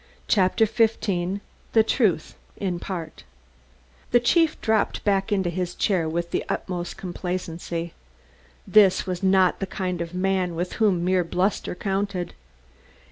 CHAPTER XV THE TRUTH IN PART The chief dropped back into his chair with the utmost complacency. This was not the kind of man with whom mere bluster counted.